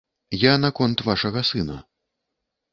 Я наконт вашага сына.